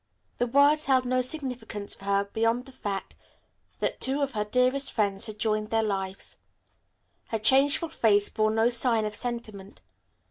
The words held no significance for her beyond the fact that two of her dearest friends had joined their lives. Her changeful face bore no sign of sentiment.